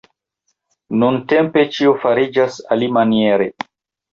Nuntempe ĉio fariĝas alimaniere.